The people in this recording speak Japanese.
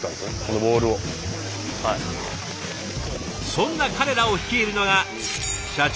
そんな彼らを率いるのが社長の木村さん。